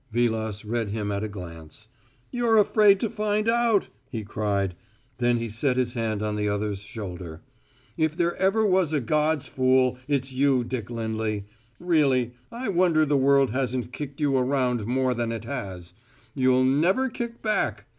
Vilas read him at a glance. "You're afraid to find out!" he cried. Then he set his hand on the other's shoulder. "If there ever was a God's fool, it's you, Dick Lindley. Really, I wonder the world hasn't kicked you around more than it has; you'd never kick back!